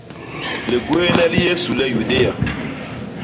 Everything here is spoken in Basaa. Ligwééne li Yésu le Yudéa.